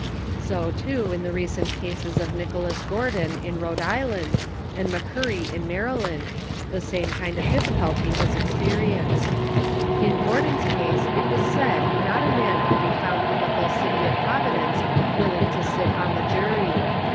So too in the recent cases of Nicholas Gror don in Rhode Island and McCurry in Maryland, the jsame kind of difficulty was experienced. In Gordon's case it is said not a man could be found in the whole city of Providence willing to sit on the jury.